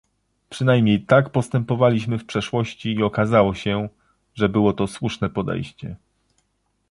Przynajmniej tak postępowaliśmy w przeszłości i okazało się, że było to słuszne podejście